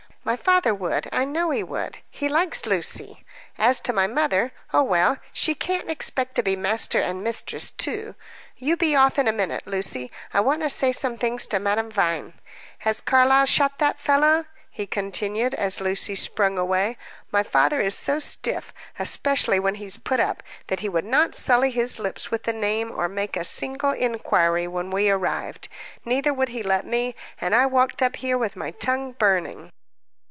"My father would I know he would. He likes Lucy. As to my mother oh, well, she can't expect to be master and mistress too. You be off for a minute, Lucy; I want to say some thing to Madame Vine. Has Carlyle shot that fellow?" he continued, as Lucy sprung away. "My father is so stiff, especially when he's put up, that he would not sully his lips with the name, or make a single inquiry when we arrived; neither would he let me, and I walked up here with my tongue burning."